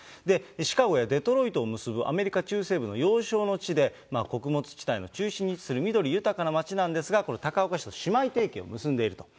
シカゴやデトロイトを結ぶアメリカ中西部の要衝の地で、穀物地帯の中心に位置する緑豊かな町なんですが、この高岡市と姉妹提携を結んでいると。